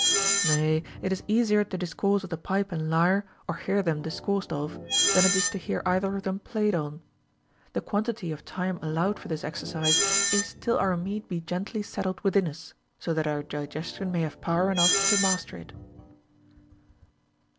Nay, it is easier to discourse of the pipe and lyre, or hear them discoursed of, than it is to hear either of them played on. The quantity of time allowed for this exercise is till our meat be gently settled within us, so that our digestion may have power enough to master it.